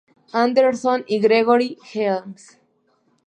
Anderson, y Gregory Helms.